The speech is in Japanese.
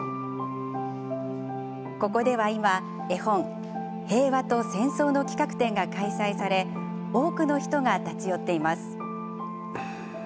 ここでは今絵本「へいわとせんそう」の企画展が開催され多くの人が立ち寄っています。